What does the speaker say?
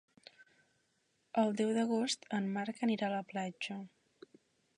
El deu d'agost en Marc anirà a la platja.